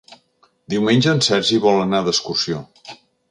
Diumenge en Sergi vol anar d'excursió.